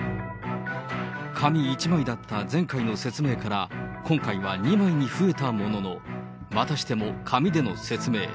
紙１枚だった前回の説明から、今回は２枚に増えたものの、またしても紙での説明。